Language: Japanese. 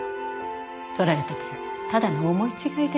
盗られたというのはただの思い違いで。